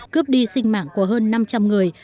cướp đi sinh mạng của hơn năm trăm linh người